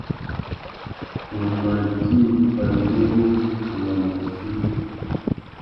Tu mà djï pandúruffúffuna môchï.